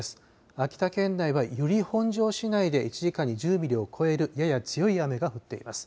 秋田県内は由利本荘市内で１時間に１０ミリを超えるやや強い雨が降っています。